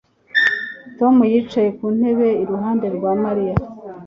Tom yicaye ku ntebe iruhande rwa Mariya